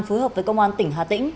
phối hợp với công an tỉnh hà tĩnh